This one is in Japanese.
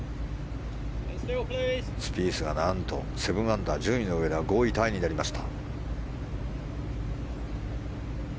スピースがなんと７アンダー順位の上では５位タイになりました。